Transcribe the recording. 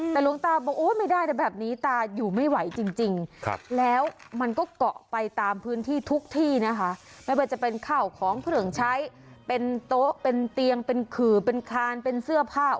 แต่หลวงตาบอกโอ้ยไม่ได้นะแบบนี้ตาอยู่ไม่ไหวจริงแล้วมันก็เกาะไปตามพื้นที่ทุกที่นะคะไม่ว่าจะเป็นข่าวของเครื่องใช้เป็นโต๊ะเป็นเตียงเป็นขื่อเป็นคานเป็นเสื้อผ้า